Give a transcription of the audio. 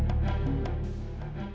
bukan terlalu banyak